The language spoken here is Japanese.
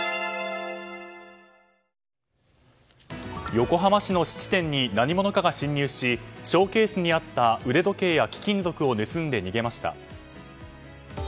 横浜市の質店に何者かが侵入しショーケースにあった腕時計や貴金属などを盗んで逃げました。